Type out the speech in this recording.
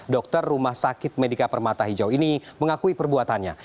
dokter rumah sakit medika permata hijau ini mengakui perbuatannya